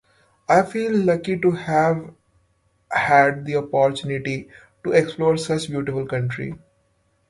I feel lucky to have had the opportunity to explore such a beautiful country.